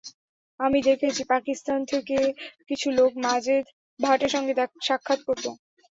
আমি দেখেছি, পাকিস্তান থেকে কিছু লোক মাজেদ ভাটের সঙ্গে সাক্ষাৎ করত।